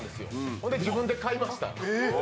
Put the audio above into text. それで自分で買いました。